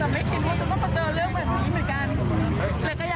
แล้วเขามาตั้งใจเรียนแล้วก็ทำงานด้วย